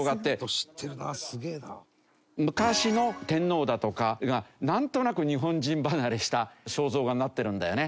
昔の天皇だとかがなんとなく日本人離れした肖像画になってるんだよね。